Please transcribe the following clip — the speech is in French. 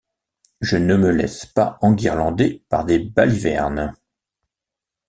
Je ne me laisse pas enguirlander par des balivernes.